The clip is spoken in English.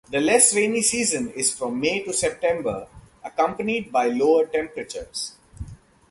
The less rainy season is from May to September, accompanied by lower temperatures.